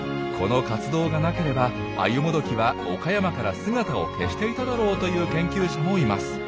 この活動がなければアユモドキは岡山から姿を消していただろうという研究者もいます。